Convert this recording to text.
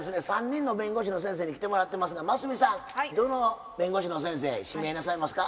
３人の弁護士の先生に来てもらってますがますみさんどの弁護士の先生指名なさいますか？